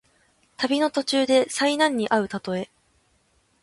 旅の途中で災難にあうたとえ。